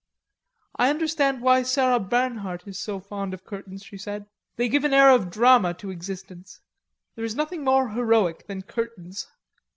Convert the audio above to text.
"I understand why Sarah Bernhardt is so fond of curtains," she said. "They give an air of drama to existence.... There is nothing more heroic than curtains."